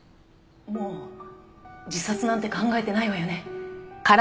もう自殺なんて考えてないわよね？